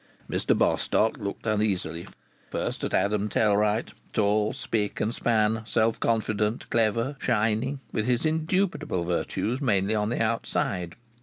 Mr Bostock looked uneasily first at Adam Tellwright, tall, spick and span, self confident, clever, shining, with his indubitable virtues mainly on the outside.